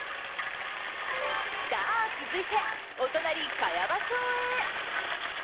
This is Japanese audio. さあ続いてお隣、茅場町へ。